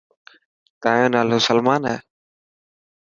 تايون نالو سلمان هي.